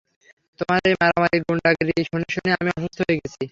তোমার এই মারামারি গুন্ডাগিরি শুনে শুনে আমি অসুস্থ হয়ে গেছি!